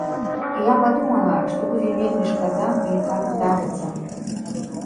Я падумала, што будзе вельмі шкада, калі так здарыцца.